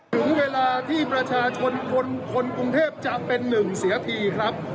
ถึงเวลาที่ประชาชนคนกรุงเทพจะเป็นหนึ่งเสียทีครับ